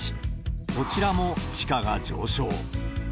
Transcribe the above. こちらも地価が上昇。